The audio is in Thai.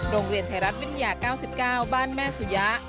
โรงเรียนไทยรัฐวิทยา๙๙บ้านแม่สุยะ